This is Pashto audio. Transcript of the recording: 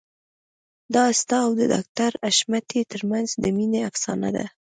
دا ستا او د ډاکټر حشمتي ترمنځ د مينې افسانه ده